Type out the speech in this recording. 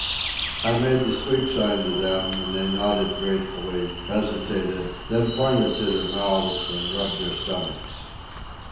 I made the sleep sign to them, and they nodded gratefully, hesitated, then pointed to their mouths and rubbed their stomachs.